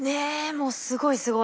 もうすごいすごい。